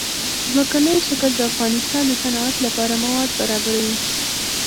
ځمکنی شکل د افغانستان د صنعت لپاره مواد برابروي.